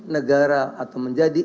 negara atau menjadi